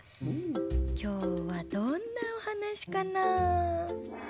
きょうはどんなおはなしかな？